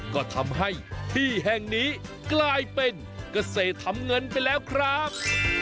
ก็ทำให้ที่แห่งนี้กลายเป็นเกษตรทำเงินไปแล้วครับ